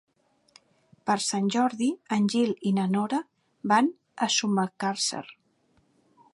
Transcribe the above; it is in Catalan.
Per Sant Jordi en Gil i na Nora van a Sumacàrcer.